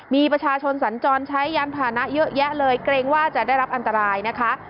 มีประชาชนสัญจรใช้ยานผ่านะเยอะแยะเลยเกรงว่าจะได้รับอันตรายนะคะ